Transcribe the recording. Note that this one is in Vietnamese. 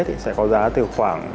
thì sẽ có giá từ khoảng